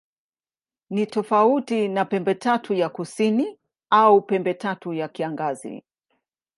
Ni tofauti na Pembetatu ya Kusini au Pembetatu ya Kiangazi.